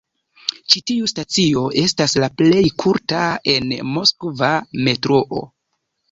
Ĉi tiu stacio estas la plej kurta en Moskva metroo.